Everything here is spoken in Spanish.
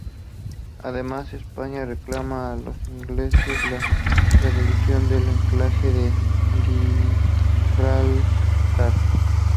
Además España reclama a los ingleses la devolución del enclave de Gibraltar.